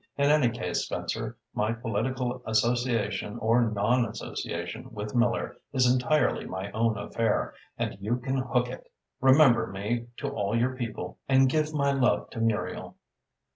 "In any case, Spencer, my political association or nonassociation with Miller is entirely my own affair, and you can hook it. Remember me to all your people, and give my love to Muriel."